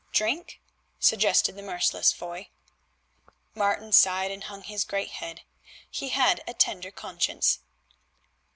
"Drink?" suggested the merciless Foy. Martin sighed and hung his great head. He had a tender conscience.